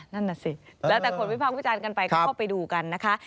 นั่นน่ะสิแล้วแต่คนวิพากษ์วิจารณ์กันไปก็เข้าไปดูกันนะคะ